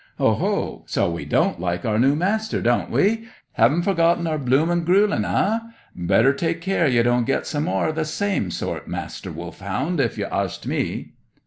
"Oho! So we don't like our new master, don't we? Haven't forgotten our blooming gruellin', eh? Better take care we don't get some more o' the same sort, Mister Wolfhound, if you arst me!"